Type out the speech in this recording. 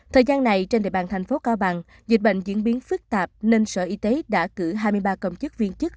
thời gian này trên địa bàn thành phố cao bằng dịch bệnh diễn biến phức tạp nên sở y tế đã cử hai mươi ba công chức viên chức